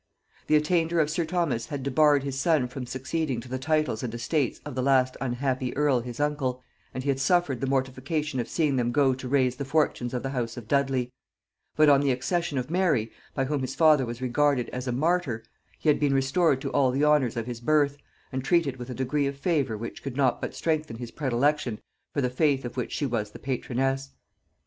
The attainder of sir Thomas had debarred his son from succeeding to the titles and estates of the last unhappy earl his uncle, and he had suffered the mortification of seeing them go to raise the fortunes of the house of Dudley; but on the accession of Mary, by whom his father was regarded as a martyr, he had been restored to all the honors of his birth, and treated with a degree of favor which could not but strengthen his predilection for the faith of which she was the patroness.